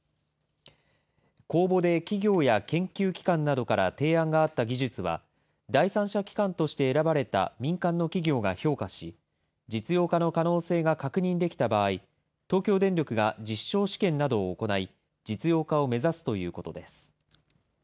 公募で企業や研究機関などから提案があった技術は、第三者機関として選ばれた民間の企業が評価し、実用化の可能性が確認できた場合、東京電力が実証試験などを行い、実用化を目指すということです。